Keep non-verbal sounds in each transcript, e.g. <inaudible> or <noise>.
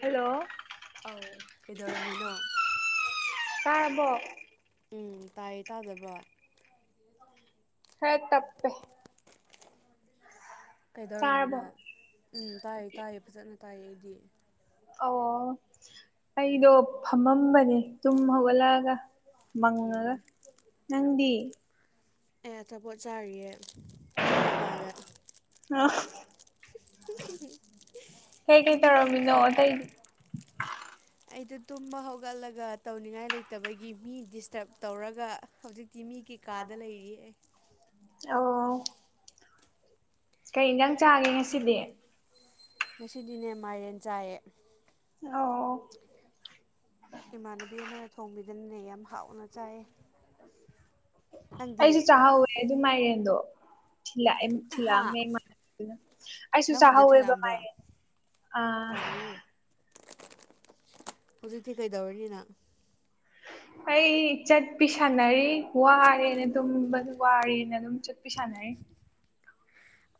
hello ꯑꯧ ꯀꯩꯗꯧꯔꯝꯃꯤꯅꯣ ꯇꯥꯔꯕꯣ ꯎꯝ ꯇꯥꯏꯌꯦ ꯇꯥꯗꯕ꯭ꯔꯣ ꯈꯔ ꯇꯞꯄꯦ ꯇꯥꯔꯕꯣ ꯀꯩꯗꯧꯔꯝꯃꯤꯅꯣ ꯎꯝ ꯇꯥꯏꯌꯦ ꯇꯥꯏꯌꯦ ꯐꯖꯅ ꯇꯥꯏꯌꯦ ꯑꯩꯗꯤ ꯑꯣ ꯑꯩꯗꯣ ꯐꯝꯃꯝꯕꯅꯦ ꯇꯨꯝ ꯍꯧꯒꯠꯂꯛꯑꯒ ꯃꯪꯉꯒ ꯎꯝ ꯅꯪꯗꯤ ꯑꯩ ꯑꯆꯥꯄꯣꯠ ꯆꯥꯔꯤꯌꯦ ꯃꯤꯒꯤ ꯀꯥꯗ ꯑ ꯀꯩ ꯀꯩ ꯃꯤꯒꯤ ꯇꯧꯔꯝꯃꯤꯅꯣ ꯀꯥꯗ ꯑꯇꯩꯗꯤ ꯑꯩꯗꯣ ꯇꯨꯝꯕ ꯍꯧꯒꯠꯂꯒ ꯇꯧꯅꯤꯡꯉꯥꯏ ꯂꯩꯇꯕꯒꯤ ꯃꯤ ꯗꯤꯁꯇꯔꯕ ꯇꯧꯔꯒ ꯍꯧꯖꯤꯛ ꯇꯤꯃꯤꯒꯤ ꯀꯥꯗ ꯂꯩꯔꯤꯌꯦ ꯑꯣ ꯀꯩ ꯏꯟꯁꯥꯡ ꯆꯥꯒꯦ ꯉꯁꯤꯗꯤ ꯉꯁꯤꯗꯤꯅꯦ ꯃꯥꯏꯔꯦꯟ ꯆꯥꯏꯌꯦ ꯑꯣ ꯏꯃꯥꯟꯅꯕꯤ ꯑꯃꯅ ꯊꯣꯡꯕꯤꯗꯅꯅꯦ ꯌꯥꯝ ꯍꯥꯎꯅ ꯆꯥꯏ ꯑꯩꯁꯨ ꯆꯥꯍꯧꯋꯦ ꯑꯗꯨ ꯃꯥꯏꯔꯦꯟꯗꯣ ꯊꯤꯜꯂꯛꯑꯦ ꯍꯥ ꯊꯤꯜꯂꯛꯑꯝꯃꯦ ꯑꯩꯁꯨ ꯅꯪꯕꯨꯁꯨ ꯆꯥꯍꯧꯋꯦꯕ ꯊꯤꯜꯂꯛꯑꯝꯕ꯭ꯔꯣ ꯃꯥꯥꯏꯔꯦꯟꯗꯣ ꯑꯣ ꯍꯧꯖꯤꯛꯇꯤ ꯀꯩꯗꯧꯔꯤ ꯅꯪ ꯑꯩ ꯆꯠꯄꯤ ꯁꯥꯟꯅꯔꯤ ꯋꯥꯔꯦꯅ ꯑꯗꯨ ꯋꯥꯔꯦꯅ ꯑꯗꯨꯝ ꯁꯥꯅꯔꯤ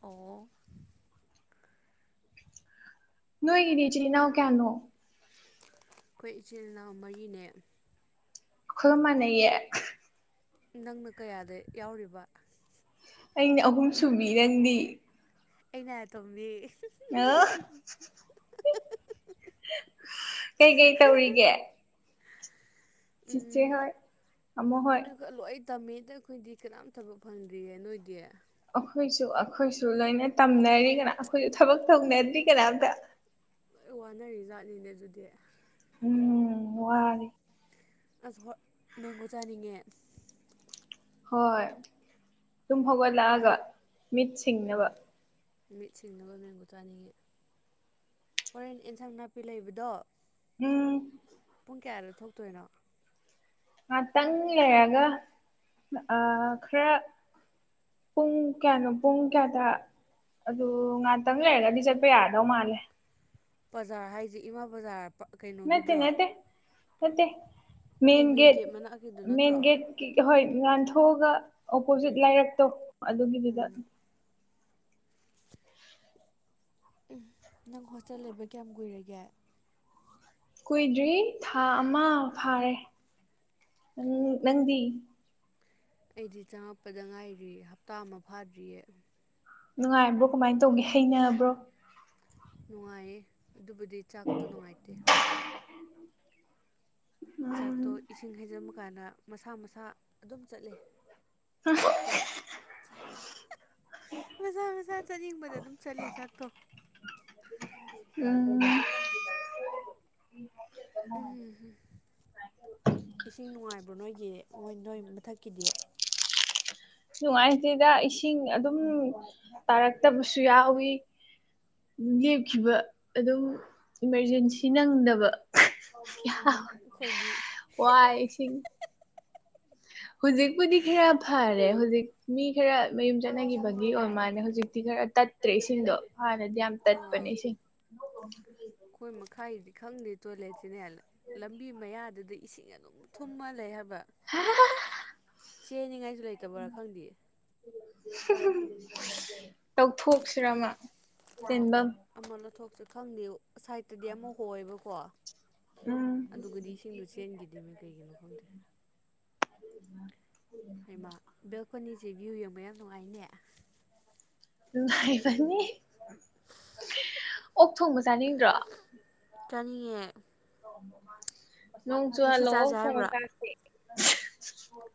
ꯑꯣ ꯅꯣꯏꯒꯤꯗꯤ ꯏꯆꯤꯟ ꯏꯅꯥꯎ ꯀꯌꯥꯥꯅꯣ ꯑꯩꯈꯣꯏ ꯏꯆꯤꯜ ꯏꯅꯥꯎ ꯃꯔꯤꯅꯦ ꯑꯩꯈꫭꯏꯒ ꯃꯥꯟꯅꯩꯌ° ꯅꯪꯅ ꯀꯌꯥꯗ ꯌꯥꯎꯔꯤꯕ ꯑꯩꯅ ꯑꯍꯨꯝ ꯁꯨꯕꯤ ꯅꯪꯗꯤ ꯑꯩꯅ ꯑꯇꯣꯝꯕꯤ ꯑꯣ ꯀꯩꯀꯩ ꯇꯧꯔꯤꯒꯦ ꯆꯤꯆꯦ ꯎꯝ ꯍꯣꯏ ꯇꯥꯃꯣ ꯍꯣꯏ ꯂꯣꯏ ꯇꯝꯃꯤꯗ ꯑꯩꯈꯣꯏꯗꯤ ꯀꯅꯥꯝ ꯊꯕꯛ ꯐꯪꯗ꯭ꯔꯤꯌꯦ ꯅꯣꯏꯗꯤ ꯑꯩꯈꯣꯏꯁꯨ ꯑꯩꯈꯣꯏꯁꯨ ꯂꯣꯏꯅ ꯇꯝꯅꯔꯤ ꯀꯅꯥ ꯑꯩꯈꯣꯏꯁꯨ ꯊꯕꯛ ꯇꯧꯅꯗ꯭ꯔꯤ ꯀꯅꯥꯝꯇ ꯂꯣꯢ ꯋꯥꯅꯔꯤꯖꯥꯠꯅꯤꯅꯦ ꯑꯗꯨꯗꯤ ꯎꯝ ꯋꯥꯔꯤ ꯑꯁ ꯍꯣꯏ ꯃꯦꯡꯒꯣ ꯆꯥꯅꯤꯡꯉꯦ ꯍꯣꯏ ꯇꯨꯝ ꯍꯧꯒꯠꯂꯛꯑꯒ ꯃꯤꯠ ꯁꯤꯡꯅꯕ ꯎꯝ ꯃꯤꯠ ꯁꯤꯡꯅꯕ ꯃꯦꯡꯒꯣ ꯆꯥꯅꯤꯡꯉꯤ ꯍꯣꯔꯦꯟ ꯑꯦꯟꯁꯥꯡ ꯅꯥꯄꯤ ꯂꯩꯕꯗꯣ ꯎꯝ ꯄꯨꯡ ꯀꯌꯥꯗ ꯊꯣꯛꯇꯣꯏꯅꯣ ꯉꯍꯥꯛꯇꯪ ꯂꯩꯔꯒ ꯈꯔ ꯄꯨꯡ ꯀꯌꯥꯅꯣ ꯄꯨꯡ ꯀꯌꯥꯗ ꯑꯗꯨ ꯉꯍꯥꯛꯇꯪ ꯂꯩꯔꯒꯗꯤ ꯆꯠꯄ ꯌꯥꯗꯧ ꯃꯥꯜꯂꯦ ꯕꯖꯥꯔ ꯍꯥꯏꯁꯦ ꯏꯃꯥ ꯕꯖꯥꯔ ꯅꯠꯇꯦ ꯀꯩꯅꯣꯒꯤꯗ꯭ꯔꯣ ꯅꯠꯇꯦ ꯅꯠꯇꯦ ꯑꯦꯝ ꯌꯨ ꯃꯟꯒꯦꯠ ꯒꯦꯠ ꯃꯅꯥꯛꯀꯤꯗꯨ ꯅꯠꯇ꯭ꯔꯣ ꯃꯟꯒꯦꯠ ꯍꯣꯏ ꯂꯥꯟꯊꯣꯛꯑꯒ ꯑꯣꯄꯣꯖꯤꯠ ꯎꯝ ꯂꯥꯏꯔꯛꯇꯣ ꯑꯗꯨꯒꯤꯗꯨꯗ ꯎꯝ ꯎ ꯅꯪ ꯍꯣꯁꯇꯦꯜ ꯂꯩꯕ ꯀꯌꯥꯝ ꯀꯨꯏꯔꯒꯦ ꯀꯨꯏꯗ꯭ꯔꯤ ꯊꯥ ꯑꯃ ꯐꯥꯔꯦ ꯅꯪ ꯅꯪꯗꯤ ꯑꯩꯗꯤ ꯆꯪꯉꯛꯄꯗ ꯉꯥꯏꯔꯤ ꯍꯞꯇꯥ ꯑꯃ ꯐꯥꯗ꯭ꯔꯤꯌꯦ ꯅꯨꯡꯉꯥꯏꯕ꯭ꯔꯣ ꯀꯃꯥꯏꯅ ꯇꯧꯒꯦ ꯍꯩꯅꯕ꯭ꯔꯣ ꯅꯨꯡꯉꯥꯏꯌꯦ ꯑꯗꯨꯕꯨꯗꯤ ꯆꯥꯛꯇꯣ ꯅꯨꯡꯉꯥꯏꯇꯦ ꯎꯝ ꯆꯥꯛꯇꯣ ꯏꯁꯤꯡ ꯍꯩꯖꯤꯟꯕ ꯀꯥꯟꯗ ꯃꯁꯥ ꯃꯁꯥ ꯑꯗꯨꯝ ꯆꯠꯂꯦ ꯆꯥꯛꯇꯣ ꯃꯁꯥ ꯃꯁꯥ ꯆꯥꯅꯤꯡꯕꯗ ꯑꯗꯨꯝ ꯆꯠꯂꯤ ꯆꯥꯛꯇꯣ ꯎꯝ ꯎꯝ ꯏꯁꯤꯡ ꯅꯨꯡꯉꯥꯏꯕ꯭ꯔꯣ ꯅꯣꯏꯒꯤ ꯍꯣꯏ ꯅꯣꯏ ꯃꯊꯛꯀꯤꯗꯤ ꯅꯨꯡꯉꯥꯏꯇꯦꯗ ꯏꯁꯤꯡ ꯑꯗꯨꯝ ꯇꯥꯔꯛꯇꯕꯁꯨ ꯌꯥꯎꯋꯤ ꯂꯦꯞꯈꯤꯕ ꯑꯗꯨꯝ ꯏꯃꯥ꯭ꯔꯖꯦꯟꯁꯤ ꯅꯪꯗꯕ ꯑꯩꯈꯣꯏꯗꯤ ꯋꯥꯏ ꯏꯁꯤꯡ ꯍꯧꯖꯤꯛꯄꯨꯗꯤ ꯈꯔ ꯐꯔꯦ ꯍꯧꯖꯤꯛ ꯃꯤ ꯈꯔ ꯃꯌꯨꯝ ꯆꯠꯅꯈꯤꯕꯒꯤ ꯑꯣꯏ ꯃꯥꯜꯂꯦ ꯍꯧꯖꯤꯛꯇꯤ ꯈꯔ ꯇꯠ ꯇꯠꯇ꯭ꯔꯦ ꯏꯁꯤꯡꯗꯣ ꯍꯥꯟꯅꯗꯤ ꯌꯥꯝ ꯑꯥ ꯇꯠꯄꯅꯦ ꯏꯁꯤꯡ ꯑꯩꯈꯣꯏ ꯃꯈꯥꯏꯗꯤ ꯈꯪꯗꯦ ꯇꯣꯏꯂꯦꯠꯁꯤꯅꯦ ꯂꯝꯕꯤ ꯃꯌꯥꯗꯨꯗꯤ ꯏꯁꯤꯡ ꯑꯗꯨꯝ ꯊꯨꯝꯃ ꯂꯩ ꯍꯥꯏꯕ ꯆꯦꯟꯅꯤꯉꯥꯏꯁꯨ ꯂꯩꯇꯕꯣꯔꯥ ꯈꯪꯗꯦ ꯇꯧꯊꯣꯛꯁꯤꯔ ꯑꯃ ꯆ‌ꯦꯟꯐꯝ ꯑꯃ ꯂꯧꯊꯣꯛꯁꯤꯔ ꯈꯪꯗꯦ ꯁꯥꯏꯠꯇꯗꯤ ꯑꯃ ꯍ‌ꯣꯏꯑꯦꯕꯀꯣ ꯎꯝ ꯑꯗꯨꯒꯗꯤ ꯏꯁꯤꯡꯗꯨ ꯆꯦꯟꯒꯤꯗꯤ ꯃ‌ꯦ ꯀꯩꯒꯤꯅꯣ ꯈꯪꯗꯦ ꯍꯩꯃ ꯕꯦꯜꯀꯣꯅꯤꯁꯦ ꯚ꯭ꯌꯨ ꯌꯦꯡꯕ ꯌꯥꯝ ꯅꯨꯡꯉꯥꯏꯅꯦ ꯅꯨꯡꯉꯥꯏꯕꯅꯤ ꯑꯣꯛ ꯊꯣꯡꯕ ꯆꯥꯅꯤꯡꯗ꯭ꯔꯣ ꯆꯅꯤꯡꯉꯦ ꯅꯣꯡ ꯆꯨ ꯉꯁꯤ ꯍꯜꯂꯣ ꯑꯣꯛ ꯆꯥꯁꯦ ꯊ‌ꯣꯡꯕ ꯍꯥꯏꯕ꯭ꯔꯣ ꯆꯥꯁ‌ꯦ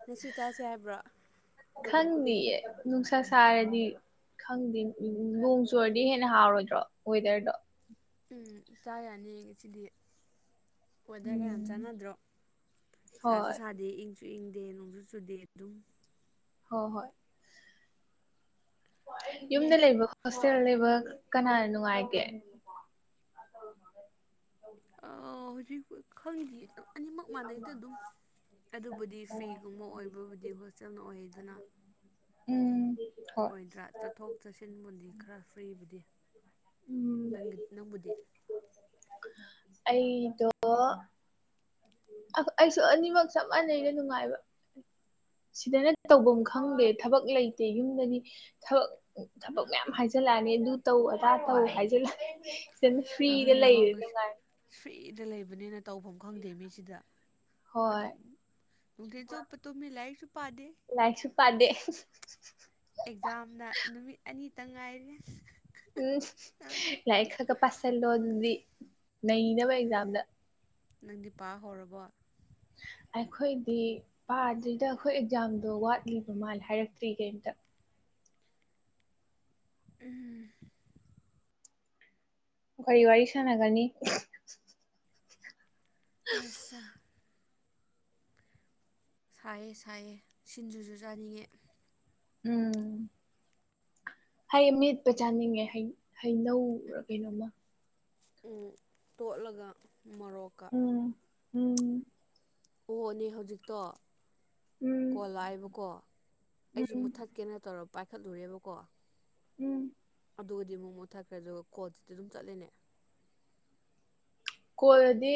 ꯉꯁꯤ ꯆꯥꯁꯦ ꯍꯥꯏꯕ꯭ꯔꯣ ꯈꯪꯗꯤꯌꯦ ꯅꯨꯡꯁꯥ ꯁꯥꯔꯗꯤ ꯈꯪꯗꯦ ꯅꯣꯡ ꯆꯨꯔꯗꯤ ꯍꯦꯟꯅ ꯍꯥꯎꯔꯣꯏꯗ꯭ꯔꯣ ꯋꯦꯗꯔꯗꯣ ꯎꯝ ꯆꯥ ꯌꯥꯅꯤ ꯉꯁꯤꯗꯤ ꯋ‌ꯦꯗ꯭ꯔ ꯒꯌꯥꯝ ꯎꯝ ꯆꯥꯟꯅꯗ꯭ꯔꯣ ꯁꯥꯁꯨ ꯍꯣꯏ ꯁꯥꯗꯦ ꯏꯪꯁꯨ ꯏꯪꯗꯦ ꯅꯣꯡꯁꯨ ꯆꯨꯗꯦ ꯑꯗꯨꯝ ꯍꯣ ꯍꯣꯏ ꯌꯨꯝꯗ ꯂꯩꯕ ꯍꯣꯁꯇꯦꯜ ꯂꯩꯕ ꯀꯅꯥꯅ ꯅꯨꯡꯉꯥꯏꯒꯦ ꯑ ꯍꯧꯖꯤꯛꯄꯨ ꯈꯪꯗꯤꯌ‌ꯦ ꯑꯅꯤꯃꯛ ꯃꯥꯟꯅꯩꯗ ꯑꯗꯨꯝ ꯑꯗꯨꯕꯨꯗꯤ ꯐ꯭ꯔꯤꯒꯨꯝꯕ ꯑꯣꯏꯕꯕꯨꯗꯤ ꯍꯣꯁꯇꯦꯜꯅ ꯑꯣꯏꯌ‌ꯦꯗꯅ ꯎꯝ ꯍꯣꯏ ꯑꯣꯏꯗ꯭ꯔꯥ ꯆꯠꯊꯣꯛ ꯆꯠꯁꯤꯟꯕꯨꯗꯤ ꯈꯔ ꯐ꯭ꯔꯤꯕꯨꯗꯤ ꯎꯝ ꯅꯪꯒꯤ ꯅꯪꯕꯨꯗꯤ ꯑꯩꯗꯣ ꯑꯥ ꯑꯩꯁꯨ ꯑꯅꯤꯃꯛ ꯆꯞ ꯃꯥꯟꯅꯩꯩꯅ ꯅꯨꯡꯉꯥꯏꯕ ꯁꯤꯗꯅ ꯇꯧꯐꯝ ꯈꯪꯗꯦ ꯊꯕꯛ ꯂꯩꯇꯦ ꯌꯨꯝꯗꯗꯤ ꯊꯕꯛ ꯊꯕꯛ ꯃꯌꯥꯝ ꯍꯥꯏꯖꯜꯂꯛꯑꯅꯤ ꯑꯗꯨ ꯇꯧ ꯑꯗꯥ ꯇꯧ ꯎꯝ ꯍꯥꯏꯖꯤꯜꯂ ꯁꯤꯗꯅ ꯐ꯭ꯔꯤꯗ ꯑꯗꯨꯅꯦꯕ ꯂꯩꯔꯦ ꯉꯁꯤ ꯅꯨꯡꯉꯥꯏ ꯐ꯭ꯔꯤꯗ ꯂꯩꯕꯅꯤꯅ ꯍ‌ꯦꯟꯅ ꯇꯧꯐꯝ ꯈꯪꯗꯦꯃꯤ ꯁꯤꯗ ꯍꯣꯏ ꯑꯗꯨꯝ ꯅꯨꯡꯊꯤꯜ ꯆꯨꯞꯄ ꯇꯨꯝ ꯃꯤ ꯂꯥꯏꯔꯤꯛꯁꯨ ꯄꯥꯗꯦ ꯂꯥꯏꯔꯤꯛꯁꯨ ꯄꯗꯦ ꯑꯦꯛꯖꯥꯝꯅ ꯅꯨꯃꯤꯠ ꯑꯅꯤꯇꯪ ꯉꯥꯏꯔꯦ ꯎꯝ ꯂꯥꯏꯔꯤꯛ ꯈꯔ ꯈ ꯄꯥꯁꯤꯜꯂꯣ ꯑꯗꯨꯗꯤ ꯅꯩꯅꯕ ꯑꯦꯛꯖꯥꯝꯗ ꯅꯪꯗꯤ ꯄꯥ ꯍꯧꯔꯕꯣ ꯑꯩꯈꯣꯏꯗꯤ ꯄꯥꯗ꯭ꯔꯤꯗ ꯑꯩꯈꯣꯏ ꯑꯦꯛꯖꯥꯝꯗꯣ ꯋꯥꯠꯂꯤꯕ ꯃꯥꯜꯂꯦ ꯍꯥꯏꯔꯛꯇ꯭ꯔꯤ ꯀꯩꯝꯇ ꯎꯝ ꯥꯀꯥꯔꯤꯔꯤ ꯋꯥꯔꯤ ꯁꯥꯟꯅꯒꯅꯤ ꯑꯁ ꯁꯥꯏꯌꯦ ꯁꯥꯏꯌꯦ ꯁꯤꯟꯖꯨꯁꯨ ꯆꯥꯅꯤꯡꯉꯦ ꯎꯝ ꯍꯩ ꯃꯦꯠꯄ ꯆꯥꯅꯤꯡꯉꯦ ꯍꯩ ꯍꯩꯅꯧꯔ ꯀꯩꯅꯣꯝꯃ ꯇꯣꯠꯂꯒ ꯃꯣꯔꯣꯛꯀ ꯎꯝ ꯎꯝ ꯑꯣꯍꯣꯅꯦ ꯍꯧꯖꯤꯛꯇꯣ ꯎꯝ ꯀꯣ ꯂꯥꯛꯑꯦꯕꯀꯣ ꯑꯩꯁꯨ ꯎꯝ ꯃꯨꯠꯊꯠꯀꯦꯅ ꯇꯧꯔ ꯄꯥꯏꯈꯠꯂꯨꯔꯦꯕꯀꯣ ꯎꯝ ꯑꯗꯨꯒꯗꯤ ꯃꯣꯛ ꯃꯣꯠꯛꯈ꯭ꯔꯦ ꯑꯗꯨꯒ ꯀꯣꯜꯁꯤꯤ ꯑꯗꯨꯝ ꯆꯠꯂꯦꯅꯦ ꯀꯣꯜꯗꯤ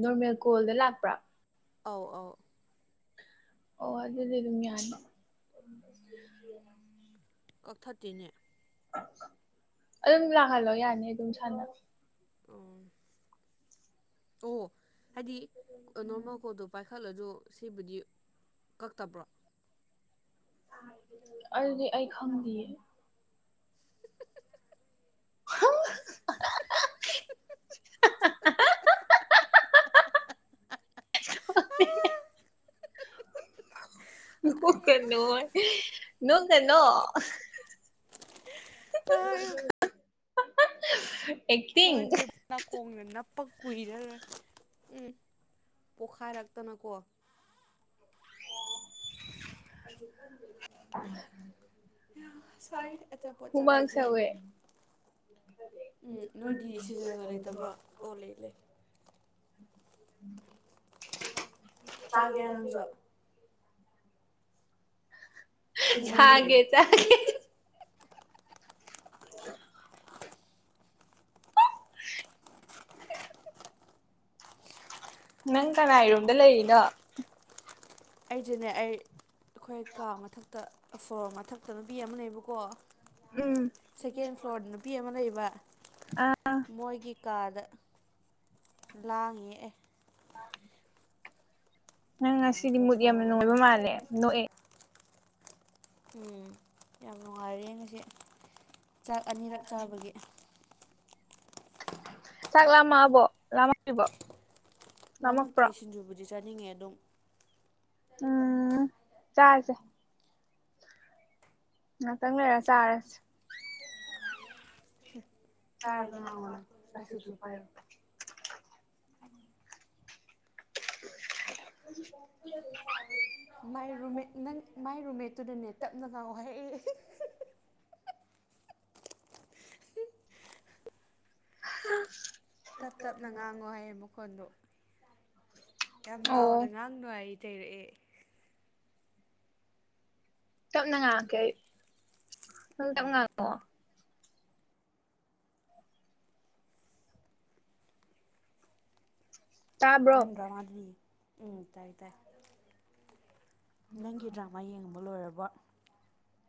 ꯅꯣꯔꯃꯦꯜ ꯀꯣꯜꯗ ꯂꯥꯛꯄ꯭ꯔꯥ ꯑꯧ ꯑꯧ ꯑꯣ ꯑꯗꯨꯗꯤ ꯑꯗꯨꯝ ꯌꯥꯅꯤ ꯎ <inaudible> ꯀꯛꯊꯠꯇꯦꯅꯦ ꯑꯗꯨꯝ ꯂꯥꯛꯍꯜꯂꯣ ꯌꯥꯅꯤ ꯑꯗꯨꯝ ꯁꯥꯥꯟꯅ ꯑꯣ ꯑꯣ ꯍꯥꯏꯗꯤ ꯅꯣꯔꯃꯜ ꯀꯣꯗꯣ ꯄꯥꯏꯈꯠꯂꯁꯨ ꯁꯤꯕꯨꯗꯤ ꯀꯛꯇꯕ꯭ꯔꯣ ꯑꯗꯨꯗꯤ ꯑꯩ ꯈꯪꯗꯦꯌꯦ <inaudible> ꯅꯣꯛ ꯀ ꯅꯣ ꯅꯣꯛꯒꯅꯣ ꯍ <inaudible> ꯎ <inaudible> ꯄꯣꯏꯖꯤꯞ <inaudible> ꯅꯥꯀꯣꯡꯅ ꯅꯞꯄ ꯀꯨꯏꯔꯔꯣꯏ ꯎꯝ ꯄꯣꯛꯈꯥꯏꯔꯛꯇꯅꯀꯣ <inaudible> ꯌꯥꯝ ꯁꯥꯏ ꯑꯆꯥꯄꯣꯠ ꯍꯨꯃꯥꯡ ꯆꯥꯔꯁꯦ ꯁꯧꯋꯦ ꯎꯝ ꯅꯣꯏꯗꯤ ꯁꯤꯖꯤꯔꯒ ꯂꯩꯇꯕ꯭ꯔꯣ ꯑꯣ ꯂꯩ ꯂꯩ <inaudible> ꯆꯥꯒꯦꯔꯥ ꯅꯪꯁꯨ ꯈꯨꯝꯃꯨꯅꯦ ꯊꯥꯡꯒꯦ ꯆꯥꯒꯦ <unintelligible> <unintelligible> ꯅꯪ ꯀꯅꯥꯔꯣꯝꯗ ꯂꯩꯔꯤꯅꯣ ꯑꯩꯁꯨꯅꯦ ꯑꯩ ꯑꯩꯈꯣꯏ ꯀꯥ ꯃꯊꯛꯇ ꯑꯐꯣꯔ ꯃꯊꯛꯇ ꯅꯨꯕꯤ ꯑꯃꯅꯦꯕꯀꯣ ꯎꯝ ꯁꯦꯀꯦꯟ ꯐ꯭ꯂꯣꯔꯗ ꯅꯨꯄꯤ ꯑꯃ ꯂꯩꯕ ꯑ ꯃꯣꯏꯒꯤ ꯀꯥꯗ ꯂꯥꯡꯉꯦ ꯑꯦ <unintelligible> ꯅꯪ ꯉꯁꯤꯗꯤ ꯃꯨꯠ ꯅꯨꯡꯉꯥꯏꯈꯣꯀꯣ ꯌꯥꯝꯅ ꯅꯨꯡꯉꯥꯏꯕ ꯃꯥꯜꯂꯦ ꯅꯣꯛꯑꯦ ꯎꯝ ꯌꯥꯝ ꯅꯨꯡꯉꯥꯏꯔꯦ ꯉꯁꯤ ꯆꯥꯛ ꯑꯅꯤꯔꯛ ꯆꯥꯕꯒꯤ ꯆꯥꯛ ꯂꯥꯕꯣ ꯂꯔꯤꯕ ꯂꯃꯛꯇꯤ ꯁꯤꯡꯖꯨꯕꯨꯗꯤ ꯆꯥꯅꯤꯡꯉꯦ ꯑꯗꯨꯝ ꯎꯝ ꯆꯥꯁꯦ ꯑ ꯆꯪꯒ ꯁꯦ ꯆꯥꯔꯁ ꯆꯥ ꯆꯥꯔꯒ ꯉꯥꯡꯉꯣꯅ ꯄ꯭ꯂꯥꯁꯇꯤꯛꯁꯨ ꯑꯁꯁꯨꯄꯥꯏ <inaudible> ꯄꯥꯏꯔꯣ ꯃꯥꯏ ꯔꯨꯝꯃꯦꯠ ꯅꯪ ꯃꯥꯏ ꯔꯨꯝꯃꯦꯠꯇꯨꯗꯅꯦ ꯇꯞꯅ ꯉꯥꯎ ꯍꯥꯏ ꯍꯥ ꯇꯞ ꯇꯞꯅ ꯉꯥꯡꯉꯣ ꯍꯥꯏꯌꯦ ꯃꯈꯣꯟꯗꯨꯣ ꯌꯥꯝ ꯂꯥꯎꯅ ꯑꯣ ꯉꯥꯡꯅꯅꯨꯡꯥꯏ ꯑꯩ ꯆꯩꯩꯔꯛꯑꯦ ꯇꯞꯅ ꯉꯥꯡꯉꯛꯀꯦ ꯑꯩ ꯅꯪ ꯇꯞ ꯉꯥꯡꯉꯛꯑꯣ ꯇꯥꯕ꯭ꯔꯣ ꯅꯪ ꯔ꯭ꯔꯃꯗꯂꯤ ꯎꯝ ꯇꯥꯏ ꯇꯥꯏ ꯅꯪꯒꯤ ꯗ꯭ꯔꯃꯥ ꯌꯦꯡꯕ ꯂꯣꯏꯔꯕ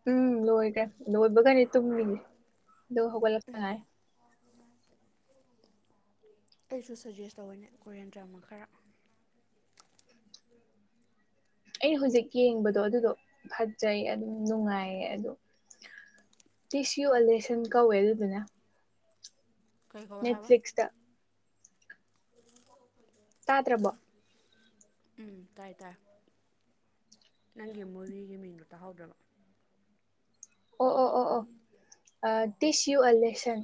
ꯎꯝ ꯂꯣꯏꯔꯦ ꯂꯣꯏꯕꯒꯅꯤ ꯇꯨꯝꯃꯤꯒꯤ ꯑ ꯍꯧꯒꯠꯂꯛꯄꯉꯥꯏ ꯑꯩꯁꯨ ꯁꯖꯦꯁ ꯇꯧꯋꯅꯦ ꯀꯔꯤꯌꯟ ꯗ꯭ꯔꯃ ꯈꯔ ꯑꯩꯅ ꯍꯧꯖꯤꯛ ꯌꯦꯡꯕꯗꯣ ꯑꯗꯨꯗꯣ ꯐꯖꯩ ꯑꯗꯨꯝ ꯅꯨꯡꯉꯥꯏꯌꯦ ꯑꯗꯣ ꯇꯤꯁꯨ ꯑꯂꯦꯁꯟ ꯀꯧꯋꯦ ꯑꯗꯨꯗꯨꯅ ꯀꯩ ꯀꯧꯋꯦ ꯅꯦꯠ ꯐ꯭ꯂꯂꯤꯛꯁ ꯇ ꯑꯣꯄꯟ <inaudible> ꯇꯥꯗ꯭ꯔꯕꯣ ꯎꯝ ꯇꯥꯏ ꯇꯥꯏ ꯅꯪꯒꯤ ꯃꯣꯏꯒꯤꯒꯤ ꯃꯤꯡꯗꯣ ꯇꯥꯍꯧꯗ꯭ꯔꯕꯣ ꯑꯣ ꯑꯣ ꯑꯣ ꯑꯣ ꯗꯤꯁ ꯌꯨ ꯑꯔ ꯂꯦꯁꯟ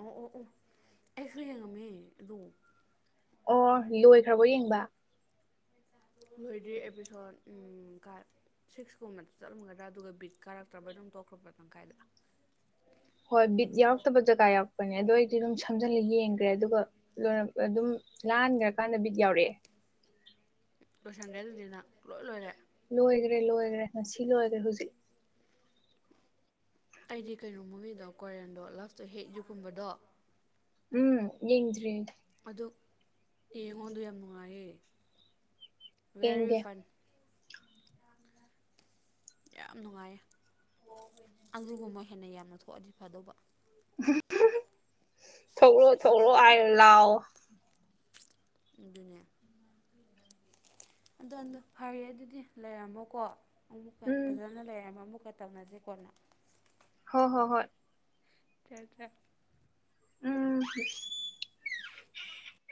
ꯑꯣ ꯑꯣ ꯑꯣ ꯑꯩꯁꯨ ꯌꯦꯡꯉꯝꯃꯦ ꯑꯗꯨꯣ ꯑꯣ ꯂꯣꯏꯈ꯭ꯔꯕꯣ ꯌꯦꯡꯕ ꯂꯣꯏꯗ꯭ꯔꯤ ꯑꯦꯄꯤꯁꯣꯠ ꯀꯥꯏꯞ ꯁꯤꯛꯁꯀꯨꯝꯕꯗ ꯆꯠꯂꯝꯒꯗ꯭ꯔꯥ ꯑꯗꯨꯒ ꯕꯤꯠ ꯀꯥꯔꯛꯇ꯭ꯔꯕ ꯑꯗꯨꯝ ꯇꯧꯈ꯭ꯔꯕꯇꯪ ꯀꯥꯏꯗ ꯍꯣꯏ ꯕꯤꯠ ꯌꯥꯎꯔꯛꯇꯕ ꯖꯒꯥ ꯌꯥꯎꯛꯄꯅꯦ ꯑꯗꯨꯗꯣ ꯑꯩꯗꯤ ꯑꯗꯨꯝ ꯁꯝꯖꯜꯂ ꯌꯦꯡꯈ꯭ꯔꯦ ꯑꯗꯨꯒ ꯑꯗꯨ ꯑꯗꯨꯝ ꯂꯥꯟꯈ꯭ꯔꯀꯥꯟꯗ ꯕꯤꯠ ꯌꯥꯎꯔꯛꯑꯦ ꯂꯣꯏꯁꯟꯒꯦ ꯑꯗꯨꯅꯤꯅ ꯂꯣꯏ ꯂꯣꯏꯔꯦ ꯂꯣꯏꯈ꯭ꯔꯦ ꯂꯣꯏꯈ꯭ꯔꯦ ꯉꯁꯤ ꯂꯣꯏꯈ꯭ꯔꯦ ꯍꯧꯖꯤꯛ ꯑꯩꯗꯤ ꯀꯩꯅꯣ ꯃꯃꯤꯗꯣ ꯀ꯭ꯋꯥꯔꯦꯟꯗꯣ ꯂꯞꯁꯇꯣ ꯍꯦꯛ ꯌꯨꯒꯨꯝꯕꯗꯣ ꯎꯝ ꯌꯦꯡꯗ꯭ꯔꯤ ꯑꯗꯨ ꯌꯦꯡꯉꯣꯟꯗ ꯌꯥꯝ ꯅꯨꯡꯉꯥꯏꯌꯦ ꯚꯦꯔꯤ ꯌꯦꯡꯒꯦ ꯐꯟ ꯌꯥꯝ ꯅꯨꯡꯉꯥꯏꯌꯦ ꯑꯂꯨꯒꯨꯝꯕ ꯍꯦꯟꯅ ꯌꯥꯝꯅ ꯊꯣꯛꯑꯗꯤ ꯐꯗꯧꯕ ꯊꯧ ꯊꯧ ꯑꯜ ꯂꯑꯣ ꯑꯗꯨꯅꯦ ꯑꯗꯣꯗꯣ ꯐꯔꯦ ꯑꯗꯨꯗꯤ ꯂꯩꯔꯝꯃꯣꯀꯣ ꯑꯃꯨꯛꯀ ꯎꯝ ꯐꯖꯅ ꯂꯩꯔꯝꯃꯣ ꯑꯃꯨꯛꯀ ꯇꯧꯅꯁꯦ ꯀꯣꯟꯅ ꯍꯣꯏ ꯍꯣ ꯍꯣꯏ ꯆ ꯆ ꯎꯝ